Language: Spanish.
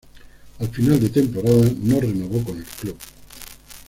Al final de temporada no renovó con el club.